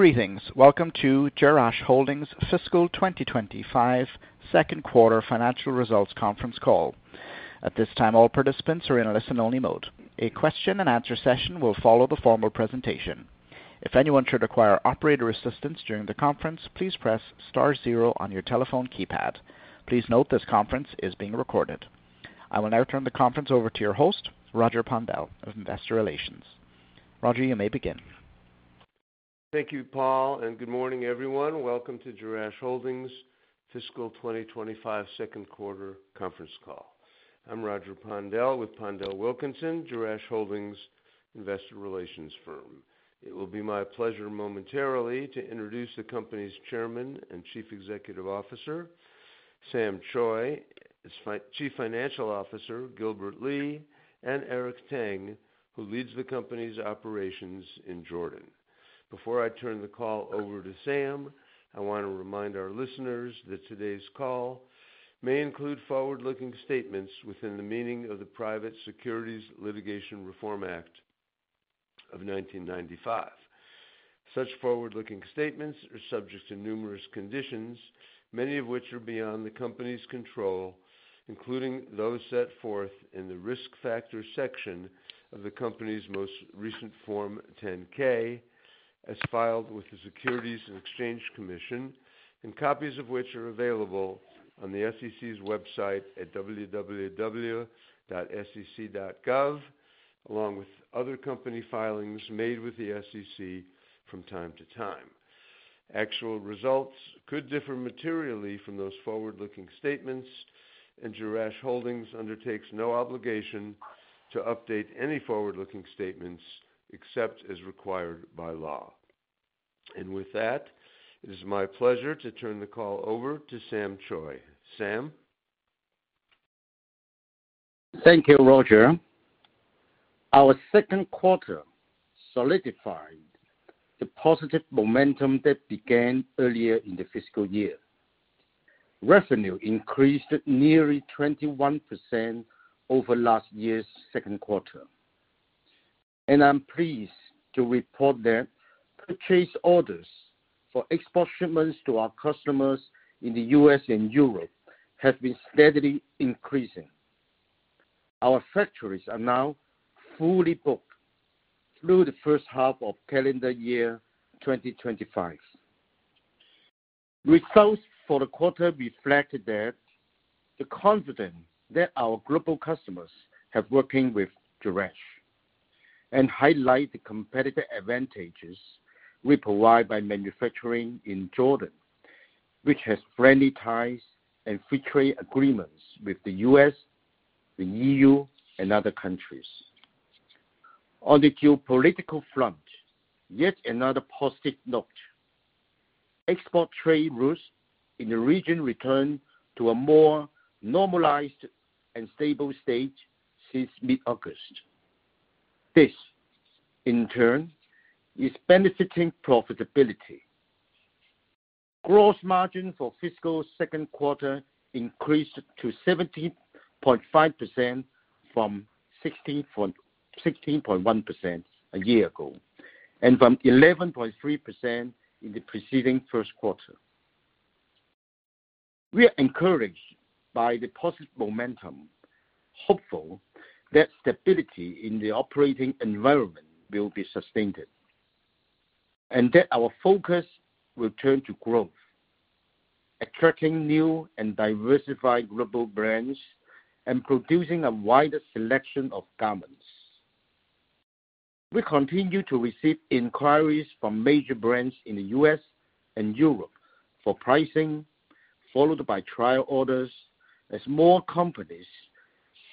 Greetings. Welcome to Jerash Holdings' Fiscal 2025 Second Quarter Financial Results Conference Call. At this time, all participants are in a listen-only mode. A question-and-answer session will follow the formal presentation. If anyone should require operator assistance during the conference, please press star zero on your telephone keypad. Please note this conference is being recorded. I will now turn the conference over to your host, Roger Pondel of Investor Relations. Roger, you may begin. Thank you, Paul, and good morning, everyone. Welcome to Jerash Holdings' Fiscal 2025 Second Quarter Conference Call. I'm Roger Pondel with PondelWilkinson, Jerash Holdings' investor relations firm. It will be my pleasure momentarily to introduce the company's Chairman and Chief Executive Officer, Sam Choi, Chief Financial Officer, Gilbert Lee, and Eric Tang, who leads the company's operations in Jordan. Before I turn the call over to Sam, I want to remind our listeners that today's call may include forward-looking statements within the meaning of the Private Securities Litigation Reform Act of 1995. Such forward-looking statements are subject to numerous conditions, many of which are beyond the company's control, including those set forth in the risk factor section of the company's most recent Form 10-K, as filed with the Securities and Exchange Commission, and copies of which are available on the SEC's website at www.sec.gov, along with other company filings made with the SEC from time to time. Actual results could differ materially from those forward-looking statements, and Jerash Holdings undertakes no obligation to update any forward-looking statements except as required by law. And with that, it is my pleasure to turn the call over to Sam Choi. Sam? Thank you, Roger. Our second quarter solidified the positive momentum that began earlier in the fiscal year. Revenue increased nearly 21% over last year's second quarter. And I'm pleased to report that purchase orders for export shipments to our customers in the U.S. and Europe have been steadily increasing. Our factories are now fully booked through the first half of calendar year 2025. Results for the quarter reflect that the confidence that our global customers have working with Jerash and highlight the competitive advantages we provide by manufacturing in Jordan, which has friendly ties and free trade agreements with the U.S., the EU, and other countries. On the geopolitical front, yet another positive note: export trade routes in the region returned to a more normalized and stable state since mid-August. This, in turn, is benefiting profitability. Gross margin for fiscal second quarter increased to 17.5% from 16.1% a year ago and from 11.3% in the preceding first quarter. We are encouraged by the positive momentum, hopeful that stability in the operating environment will be sustained, and that our focus will turn to growth, attracting new and diversified global brands and producing a wider selection of garments. We continue to receive inquiries from major brands in the U.S. and Europe for pricing, followed by trial orders as more companies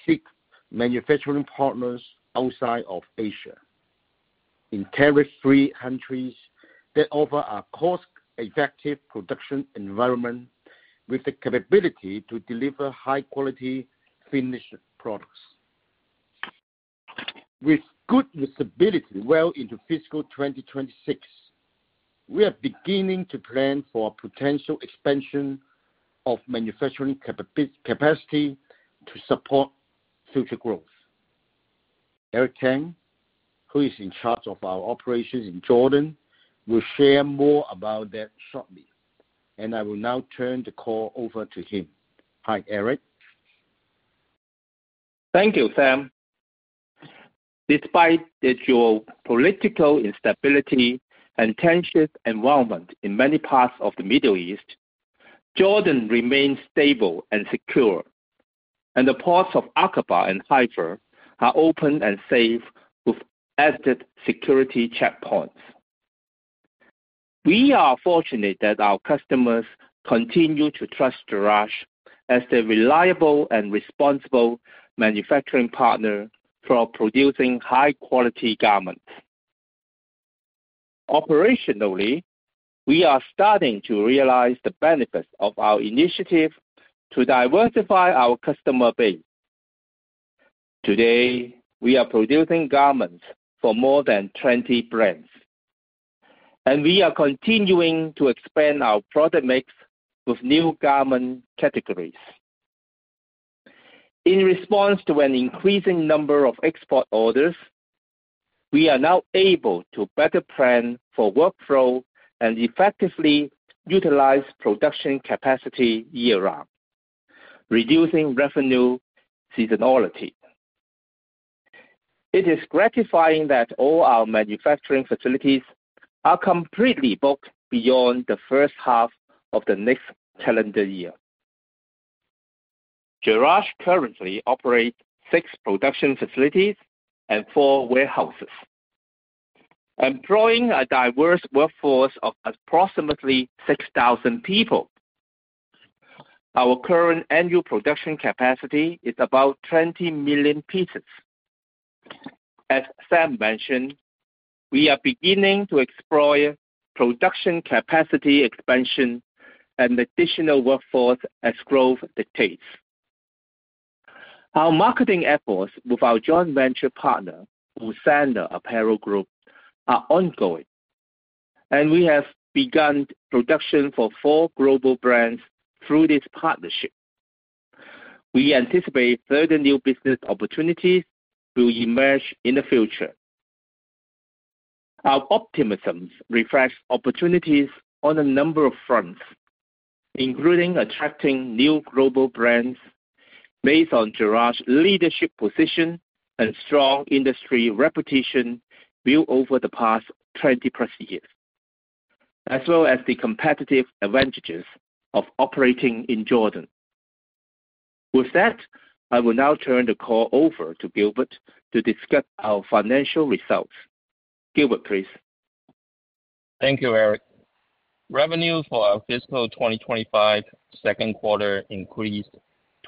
seek manufacturing partners outside of Asia, in tariff-free countries that offer a cost-effective production environment with the capability to deliver high-quality finished products. With good visibility well into fiscal 2026, we are beginning to plan for a potential expansion of manufacturing capacity to support future growth. Eric Tang, who is in charge of our operations in Jordan, will share more about that shortly, and I will now turn the call over to him. Hi, Eric. Thank you, Sam. Despite the geopolitical instability and tensions environment in many parts of the Middle East, Jordan remains stable and secure, and the ports of Aqaba and Haifa are open and safe with added security checkpoints. We are fortunate that our customers continue to trust Jerash as their reliable and responsible manufacturing partner for producing high-quality garments. Operationally, we are starting to realize the benefits of our initiative to diversify our customer base. Today, we are producing garments for more than 20 brands, and we are continuing to expand our product mix with new garment categories. In response to an increasing number of export orders, we are now able to better plan for workflow and effectively utilize production capacity year-round, reducing revenue seasonality. It is gratifying that all our manufacturing facilities are completely booked beyond the first half of the next calendar year. Jerash currently operates six production facilities and four warehouses, employing a diverse workforce of approximately 6,000 people. Our current annual production capacity is about 20 million pieces. As Sam mentioned, we are beginning to explore production capacity expansion and additional workforce as growth dictates. Our marketing efforts with our joint venture partner, Busana Apparel Group, are ongoing, and we have begun production for four global brands through this partnership. We anticipate further new business opportunities will emerge in the future. Our optimism reflects opportunities on a number of fronts, including attracting new global brands based on Jerash's leadership position and strong industry reputation built over the past 20+ years, as well as the competitive advantages of operating in Jordan. With that, I will now turn the call over to Gilbert to discuss our financial results. Gilbert, please. Thank you, Eric. Revenue for our fiscal 2025 second quarter increased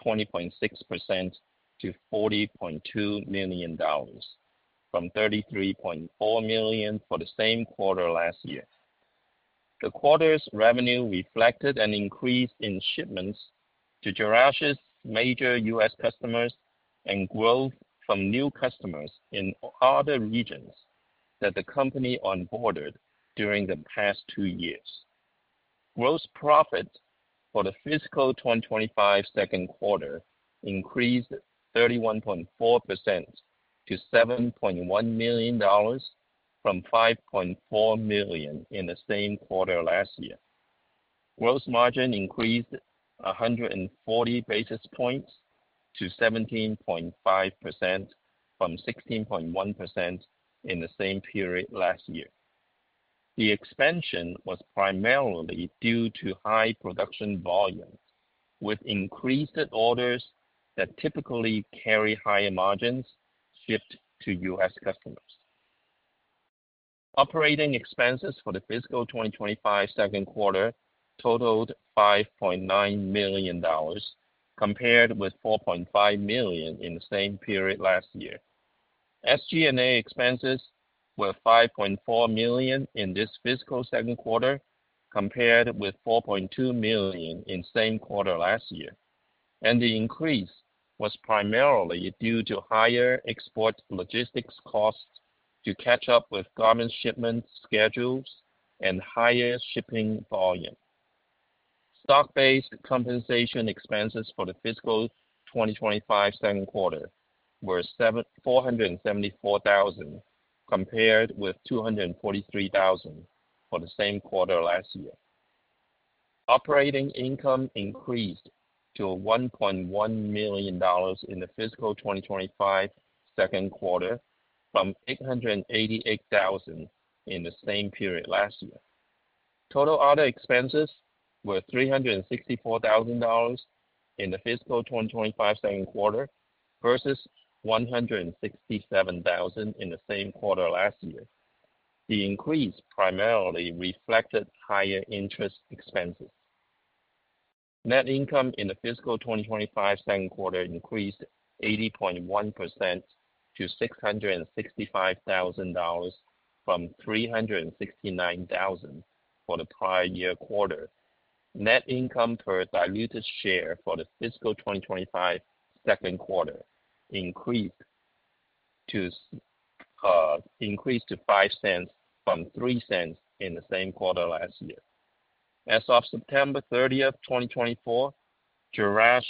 20.6% to $40.2 million, from $33.4 million for the same quarter last year. The quarter's revenue reflected an increase in shipments to Jerash's major U.S. customers and growth from new customers in other regions that the company onboarded during the past two years. Gross profit for the fiscal 2025 second quarter increased 31.4% to $7.1 million, from $5.4 million in the same quarter last year. Gross margin increased 140 basis points to 17.5% from 16.1% in the same period last year. The expansion was primarily due to high production volume, with increased orders that typically carry higher margins shipped to U.S. customers. Operating expenses for the fiscal 2025 second quarter totaled $5.9 million, compared with $4.5 million in the same period last year. SG&A expenses were $5.4 million in this fiscal second quarter, compared with $4.2 million in the same quarter last year, and the increase was primarily due to higher export logistics costs to catch up with garment shipment schedules and higher shipping volume. Stock-based compensation expenses for the fiscal 2025 second quarter were $474,000, compared with $243,000 for the same quarter last year. Operating income increased to $1.1 million in the fiscal 2025 second quarter, from $888,000 in the same period last year. Total other expenses were $364,000 in the fiscal 2025 second quarter versus $167,000 in the same quarter last year. The increase primarily reflected higher interest expenses. Net income in the fiscal 2025 second quarter increased 80.1% to $665,000, from $369,000 for the prior year quarter. Net income per diluted share for the fiscal 2025 second quarter increased to $0.05, from $0.03 in the same quarter last year. As of September 30th, 2024, Jerash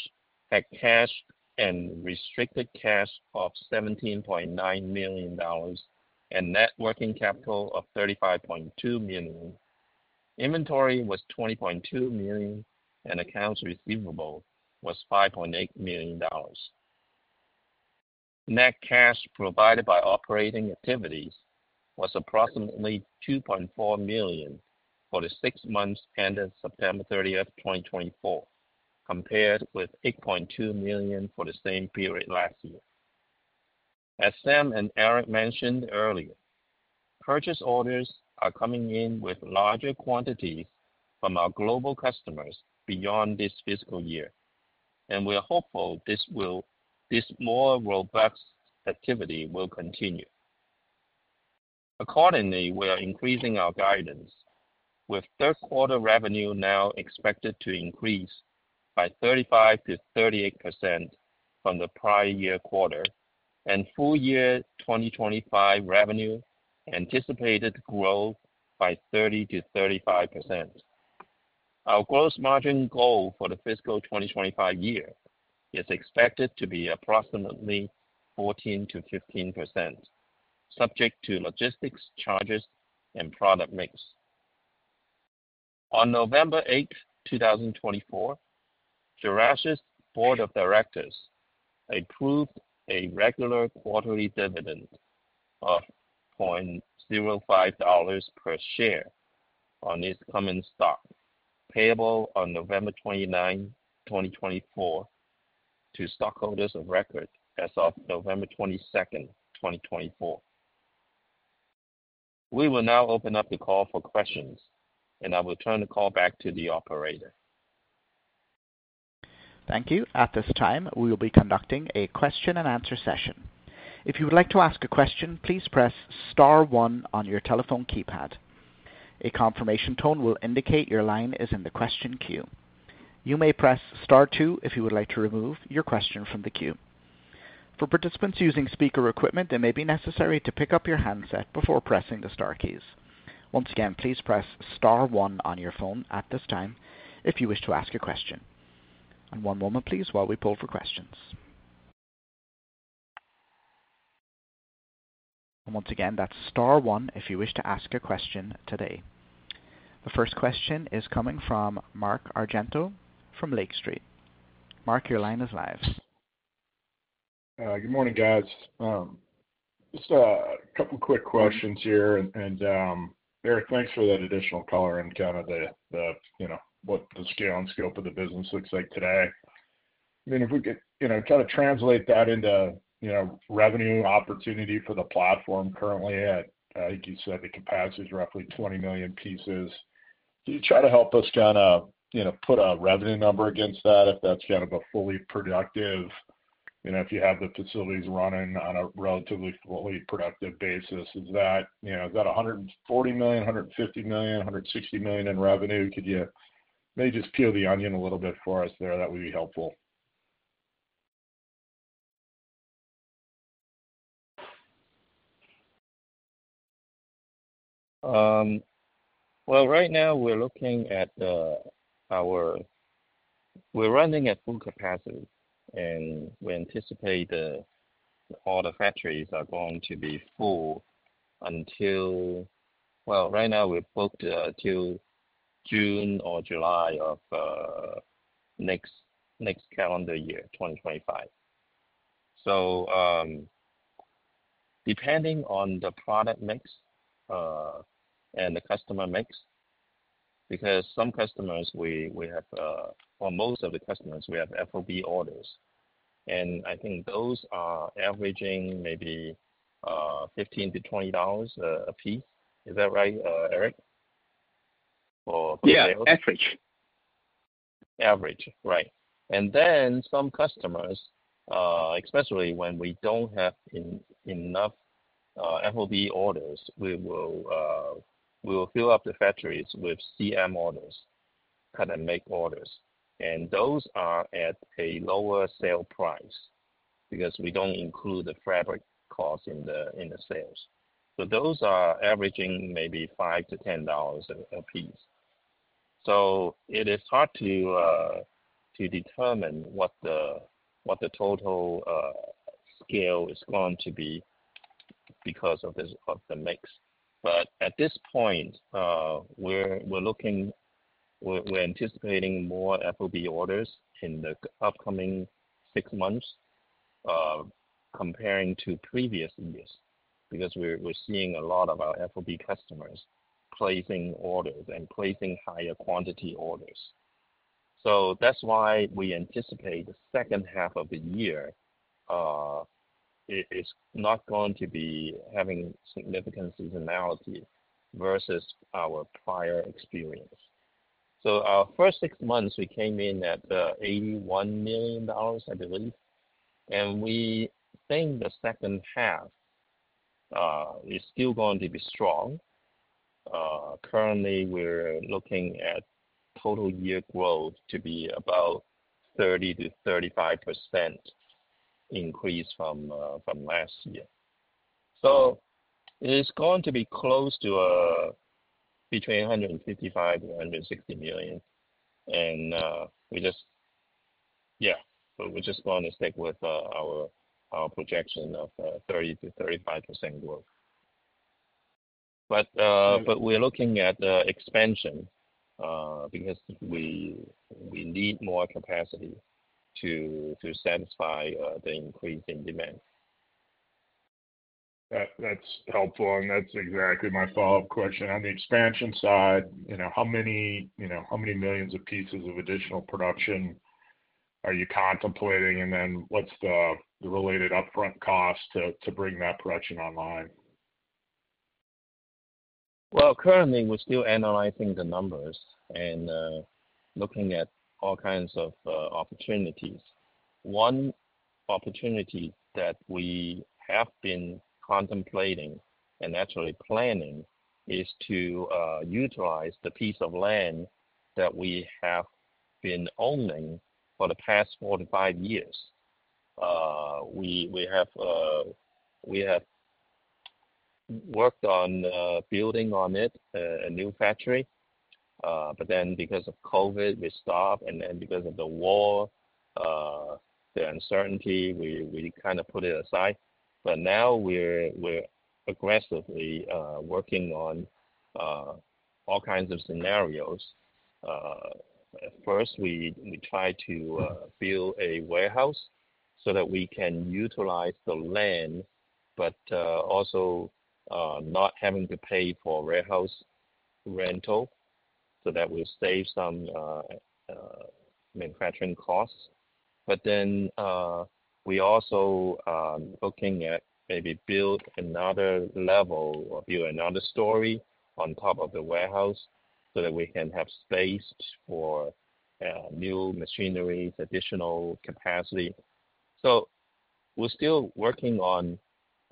had cash and restricted cash of $17.9 million and net working capital of $35.2 million. Inventory was $20.2 million, and accounts receivable was $5.8 million. Net cash provided by operating activities was approximately $2.4 million for the six months ended September 30th, 2024, compared with $8.2 million for the same period last year. As Sam and Eric mentioned earlier, purchase orders are coming in with larger quantities from our global customers beyond this fiscal year, and we are hopeful this more robust activity will continue. Accordingly, we are increasing our guidance, with third quarter revenue now expected to increase by 35% to 38% from the prior year quarter, and full year 2025 revenue anticipated to grow by 30% to 35%. Our gross margin goal for the fiscal 2025 year is expected to be approximately 14%-15%, subject to logistics charges and product mix. On November 8, 2024, Jerash's board of directors approved a regular quarterly dividend of $0.05 per share on this common stock, payable on November 29, 2024, to stockholders of record as of November 22nd, 2024. We will now open up the call for questions, and I will turn the call back to the operator. Thank you. At this time, we will be conducting a question-and-answer session. If you would like to ask a question, please press star one on your telephone keypad. A confirmation tone will indicate your line is in the question queue. You may press star two if you would like to remove your question from the queue. For participants using speaker equipment, it may be necessary to pick up your handset before pressing the star keys. Once again, please press star one on your phone at this time if you wish to ask a question. And one moment, please, while we pull for questions. And once again, that's star one if you wish to ask a question today. The first question is coming from Mark Argento from Lake Street. Mark, your line is live. Good morning, guys. Just a couple of quick questions here. And Eric, thanks for that additional color and kind of what the scale and scope of the business looks like today. I mean, if we could kind of translate that into revenue opportunity for the platform currently, I think you said the capacity is roughly 20 million pieces. Can you try to help us kind of put a revenue number against that if that's kind of a fully productive if you have the facilities running on a relatively fully productive basis? Is that 140 million, 150 million, 160 million in revenue? Could you maybe just peel the onion a little bit for us there? That would be helpful. Well, right now, we're running at full capacity, and we anticipate all the factories are going to be full until right now, we're booked till June or July of next calendar year, 2025. So depending on the product mix and the customer mix, because some customers we have for most of the customers, we have FOB orders. And I think those are averaging maybe $15-$20 a piece. Is that right, Eric? For. Yeah, average. Average, right. And then some customers, especially when we don't have enough FOB orders, we will fill up the factories with CM orders, Cut and Make orders. And those are at a lower sale price because we don't include the fabric cost in the sales. So those are averaging maybe $5-$10 a piece. So it is hard to determine what the total scale is going to be because of the mix. But at this point, we're anticipating more FOB orders in the upcoming six months comparing to previous years because we're seeing a lot of our FOB customers placing orders and placing higher quantity orders. So that's why we anticipate the second half of the year is not going to be having significant seasonality versus our prior experience. So our first six months, we came in at $81 million, I believe. We think the second half is still going to be strong. Currently, we're looking at total year growth to be about 30%-35% increase from last year. So it's going to be close to between $155 million-$160 million. And we just, but we're just going to stick with our projection of 30%-35% growth. But we're looking at expansion because we need more capacity to satisfy the increase in demand. That's helpful. And that's exactly my follow-up question. On the expansion side, how many millions of pieces of additional production are you contemplating? And then what's the related upfront cost to bring that production online? Currently, we're still analyzing the numbers and looking at all kinds of opportunities. One opportunity that we have been contemplating and actually planning is to utilize the piece of land that we have been owning for the past four to five years. We have worked on building on it, a new factory. Then because of COVID, we stopped. Then because of the war, the uncertainty, we kind of put it aside. Now, we're aggressively working on all kinds of scenarios. At first, we tried to build a warehouse so that we can utilize the land, but also not having to pay for warehouse rental so that we save some manufacturing costs. Then we're also looking at maybe building another level or building another story on top of the warehouse so that we can have space for new machineries, additional capacity. We're still working on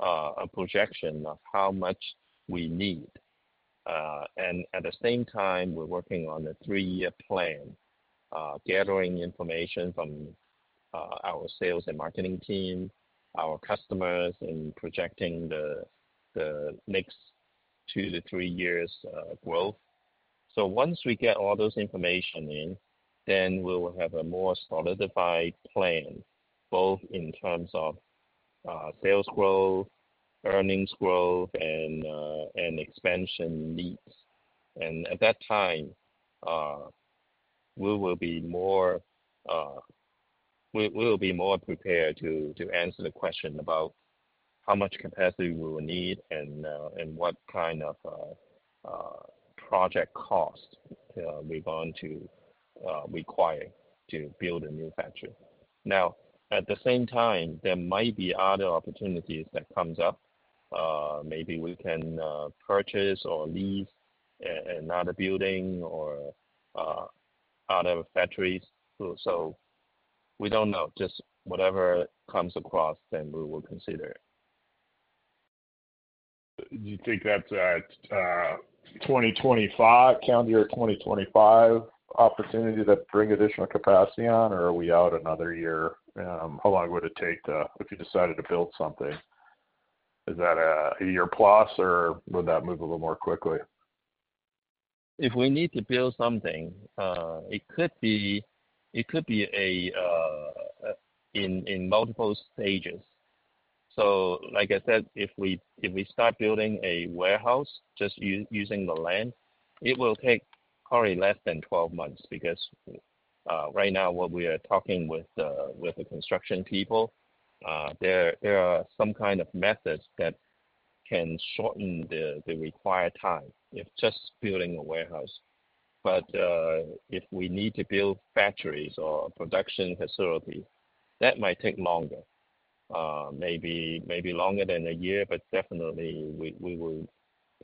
a projection of how much we need. At the same time, we're working on a three-year plan, gathering information from our sales and marketing team, our customers, and projecting the next two to three years' growth. Once we get all those information in, then we will have a more solidified plan, both in terms of sales growth, earnings growth, and expansion needs. At that time, we will be more prepared to answer the question about how much capacity we will need and what kind of project cost we're going to require to build a new factory. Now, at the same time, there might be other opportunities that come up. Maybe we can purchase or lease another building or other factories. We don't know. Just whatever comes across, then we will consider it. Do you think that's a 2025 calendar year 2025 opportunity to bring additional capacity on, or are we out another year? How long would it take if you decided to build something? Is that a year plus, or would that move a little more quickly? If we need to build something, it could be in multiple stages. So like I said, if we start building a warehouse just using the land, it will take probably less than 12 months because right now, what we are talking with the construction people, there are some kind of methods that can shorten the required time if just building a warehouse. But if we need to build factories or production facilities, that might take longer, maybe longer than a year, but definitely, we would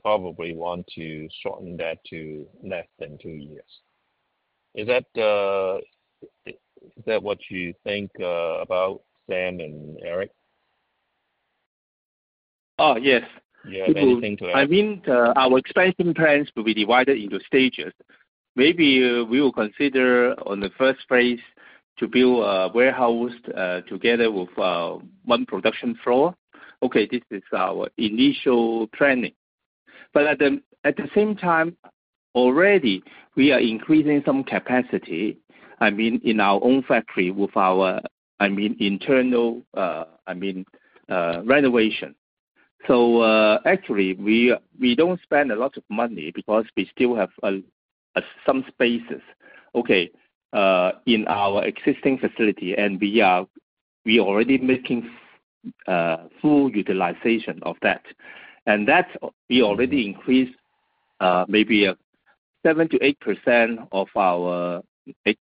probably want to shorten that to less than two years. Is that what you think about, Sam and Eric? Oh, yes. Do you have anything to add? I mean, our expansion plans will be divided into stages. Maybe we will consider in the first phase to build a warehouse together with one production floor. Okay, this is our initial planning. But at the same time, already, we are increasing some capacity, I mean, in our own factory with our, I mean, internal, I mean, renovation. So actually, we don't spend a lot of money because we still have some spaces, okay, in our existing facility, and we are already making full utilization of that, and that we already increased maybe 7%-8% of our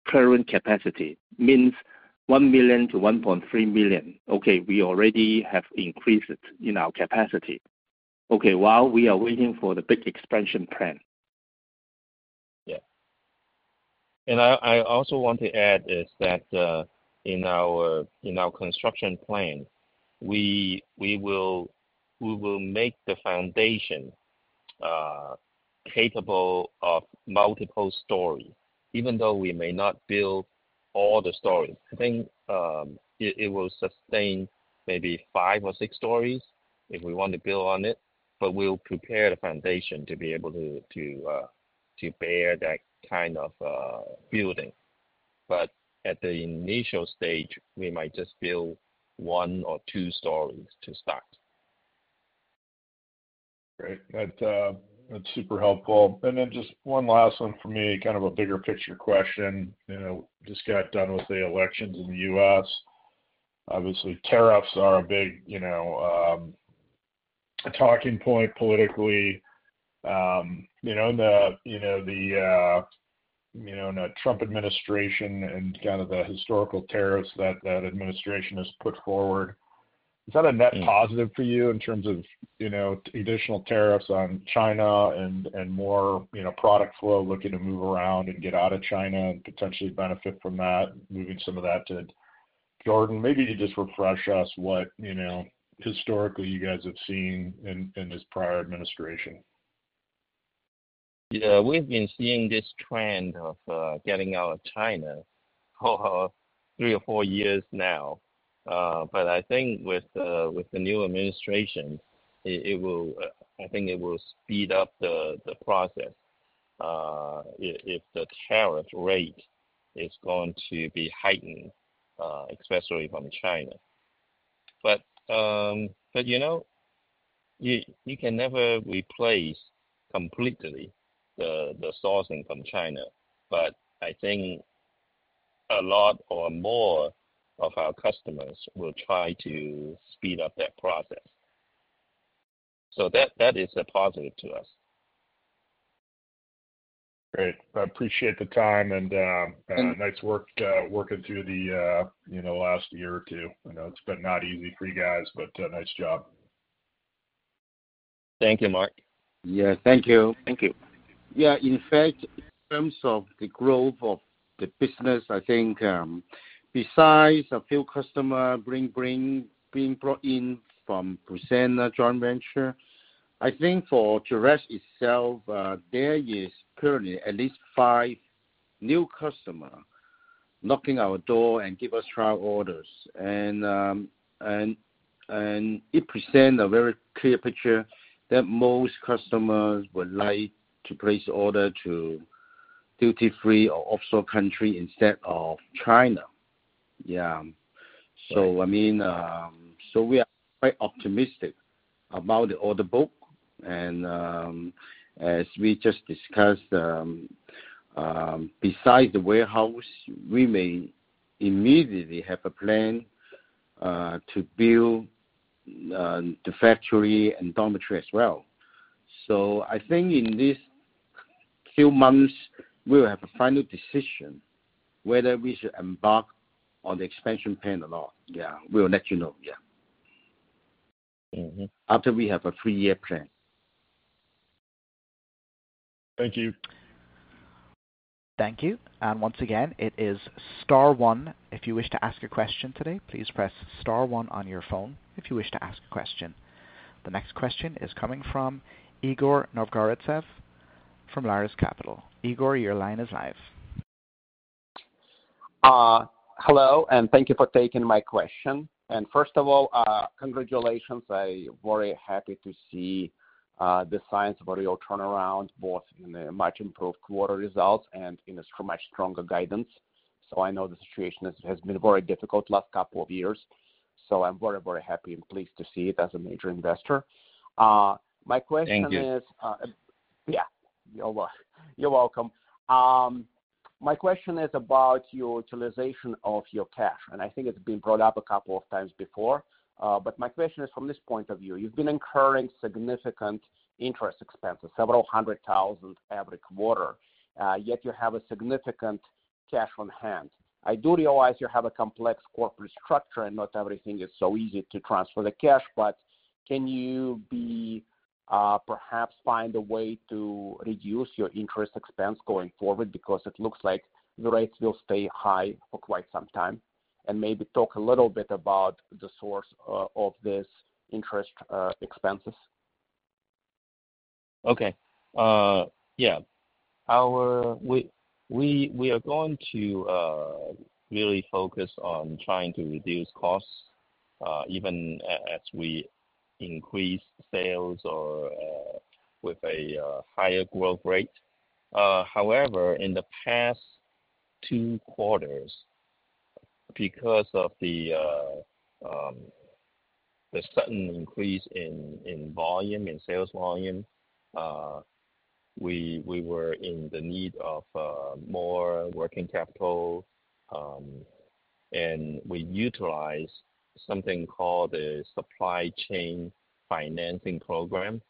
current capacity means 1 million to 1.3 million. Okay, we already have increased in our capacity. Okay, while we are waiting for the big expansion plan. Yeah, and I also want to add, is that in our construction plan, we will make the foundation capable of multiple stories, even though we may not build all the stories. I think it will sustain maybe five or six stories if we want to build on it, but we'll prepare the foundation to be able to bear that kind of building, but at the initial stage, we might just build one or two stories to start. Great. That's super helpful. And then just one last one for me, kind of a bigger picture question. Just got done with the elections in the U.S. Obviously, tariffs are a big talking point politically. And the Trump administration and kind of the historical tariffs that administration has put forward, is that a net positive for you in terms of additional tariffs on China and more product flow looking to move around and get out of China and potentially benefit from that, moving some of that to Jordan? Maybe you just refresh us what historically you guys have seen in this prior administration? Yeah. We've been seeing this trend of getting out of China for three or four years now. But I think with the new administration, I think it will speed up the process if the tariff rate is going to be heightened, especially from China. But you can never replace completely the sourcing from China. But I think a lot or more of our customers will try to speed up that process. So that is a positive to us. Great. I appreciate the time and nice work working through the last year or two. I know it's been not easy for you guys, but nice job. Thank you, Mark. Yeah, thank you. Thank you. Yeah. In fact, in terms of the growth of the business, I think besides a few customers being brought in from Busana Joint Venture, I think for Jerash itself, there is currently at least five new customers knocking our door and giving us trial orders. And it presents a very clear picture that most customers would like to place orders to duty-free or offshore country instead of China. Yeah. So I mean, so we are quite optimistic about the order book. And as we just discussed, besides the warehouse, we may immediately have a plan to build the factory and dormitory as well. So I think in these few months, we will have a final decision whether we should embark on the expansion plan or not. Yeah. We will let you know. Yeah. After we have a three-year plan. Thank you. Thank you. And once again, it is star one. If you wish to ask a question today, please press star one on your phone if you wish to ask a question. The next question is coming from Igor Novgorodtsev from Lares Capital. Igor, your line is live. Hello, and thank you for taking my question. And first of all, congratulations. I'm very happy to see the signs of a real turnaround, both in much improved quarter results and in a much stronger guidance. So I know the situation has been very difficult the last couple of years. So I'm very, very happy and pleased to see it as a major investor. My question is. Thank you. Yeah. You're welcome. My question is about your utilization of your cash. And I think it's been brought up a couple of times before. But my question is, from this point of view, you've been incurring significant interest expenses, several hundred thousand every quarter, yet you have a significant cash on hand. I do realize you have a complex corporate structure and not everything is so easy to transfer the cash, but can you perhaps find a way to reduce your interest expense going forward because it looks like the rates will stay high for quite some time? And maybe talk a little bit about the source of these interest expenses. Okay. Yeah. We are going to really focus on trying to reduce costs even as we increase sales or with a higher growth rate. However, in the past two quarters, because of the sudden increase in volume, in sales volume, we were in the need of more working capital, and we utilize something called the Supply Chain Financing Program,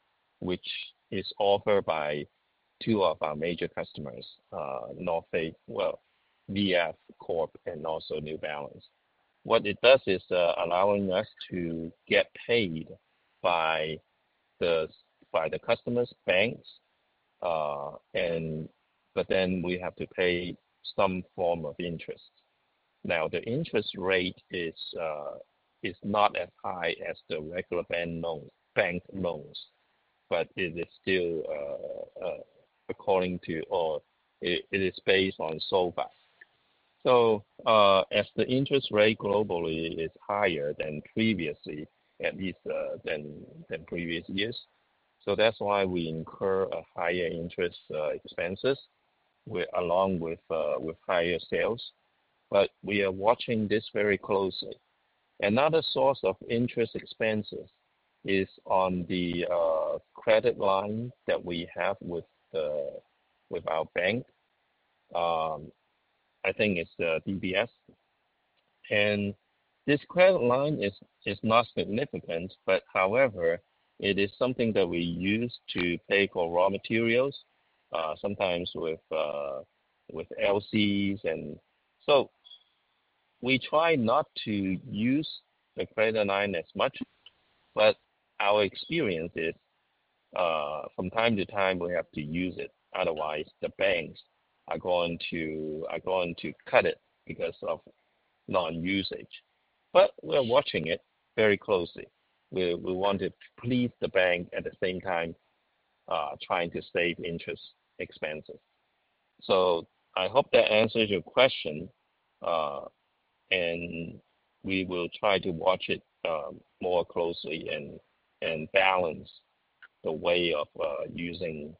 which is offered by two of our major customers, North Face, well, VF Corp, and also New Balance. What it does is allowing us to get paid by the customers, banks, but then we have to pay some form of interest. Now, the interest rate is not as high as the regular bank loans, but it is still according to or it is based on SOFR. So as the interest rate globally is higher than previously, at least than previous years, so that's why we incur higher interest expenses along with higher sales. But we are watching this very closely. Another source of interest expenses is on the credit line that we have with our bank. I think it's DBS. And this credit line is not significant, but however, it is something that we use to pay for raw materials, sometimes with LCs. And so we try not to use the credit line as much, but our experience is from time to time, we have to use it. Otherwise, the banks are going to cut it because of non-usage. But we're watching it very closely. We want to please the bank at the same time trying to save interest expenses. So I hope that answers your question, and we will try to watch it more closely and balance the way of using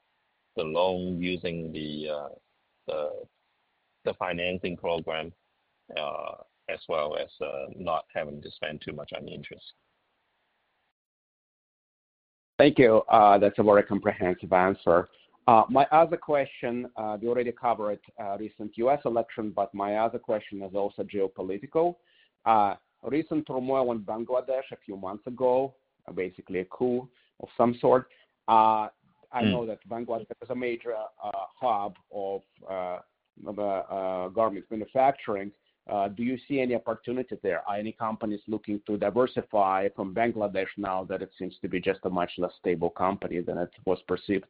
the loan, using the financing program, as well as not having to spend too much on interest. Thank you. That's a very comprehensive answer. My other question, we already covered recent U.S. election, but my other question is also geopolitical. Recent turmoil in Bangladesh a few months ago, basically a coup of some sort. I know that Bangladesh is a major hub of garments manufacturing. Do you see any opportunity there? Are any companies looking to diversify from Bangladesh now that it seems to be just a much less stable country than it was perceived?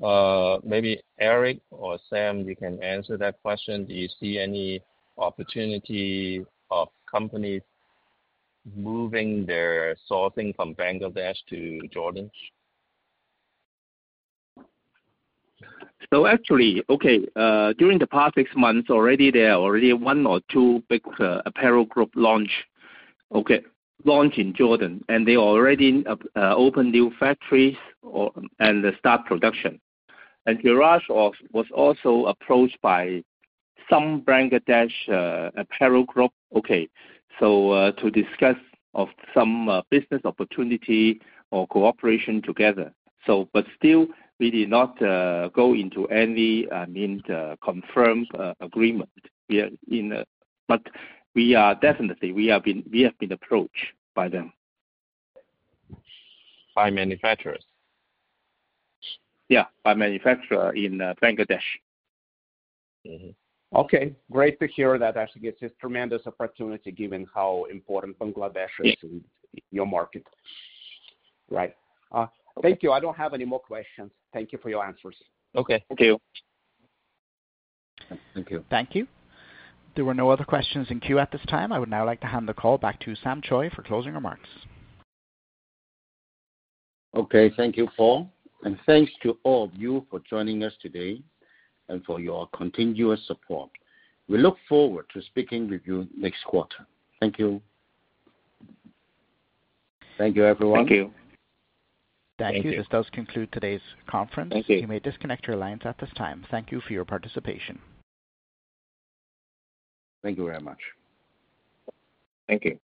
Maybe Eric or Sam, you can answer that question. Do you see any opportunity of companies moving their sourcing from Bangladesh to Jordan? Actually, okay, during the past six months, already there are one or two big apparel group launch in Jordan, and they already opened new factories and started production. Jerash was also approached by some Bangladesh apparel group, okay, so to discuss some business opportunity or cooperation together. Still, we did not go into any confirmed agreement. Definitely, we have been approached by them. By manufacturers? Yeah, by manufacturers in Bangladesh. Okay. Great to hear that. Actually, it's a tremendous opportunity given how important Bangladesh is to your market. Right. Thank you. I don't have any more questions. Thank you for your answers. Okay. Thank you. Thank you. Thank you. There were no other questions in queue at this time. I would now like to hand the call back to Sam Choi for closing remarks. Okay. Thank you, Paul, and thanks to all of you for joining us today and for your continuous support. We look forward to speaking with you next quarter. Thank you. Thank you, everyone. Thank you. Thank you. This does conclude today's conference. Thank you. You may disconnect your lines at this time. Thank you for your participation. Thank you very much. Thank you.